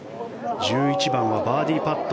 １１番はバーディーパット。